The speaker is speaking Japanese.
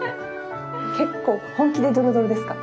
結構本気でドロドロですか？